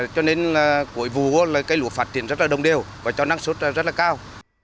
cho nên của vụ lúa phát triển rất đồng đều và cho năng suất rất cao